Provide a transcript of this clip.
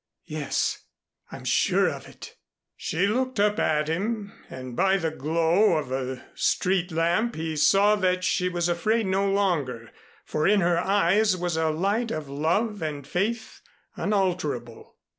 "Yes, I'm sure of it." She looked up at him and by the glow of a street lamp he saw that she was afraid no longer, for in her eyes was a light of love and faith unalterable.